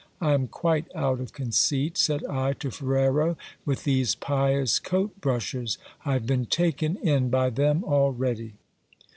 I am quite out of conceit, said I to Ferrero, with these pious coat brushers ; I have been taken in by them already.